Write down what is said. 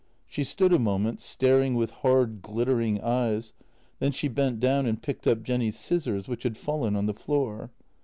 She stood a moment, staring with hard, glittering eyes, then she bent down and picked up Jenny's scissors, which had fallen on the floor.